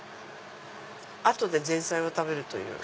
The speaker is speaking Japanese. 後で前菜を食べるという。